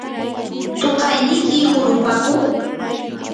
¿tuqayniki hurupaku?